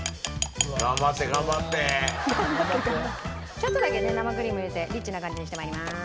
ちょっとだけ生クリームを入れてリッチな感じにして参ります。